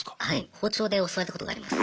包丁で襲われたことがあります。